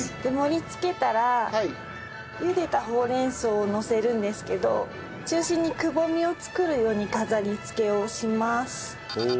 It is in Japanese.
盛り付けたら茹でたほうれん草をのせるんですけど中心にくぼみを作るように飾り付けをします。